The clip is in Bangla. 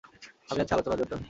আমি আছি আলোচনার জন্য।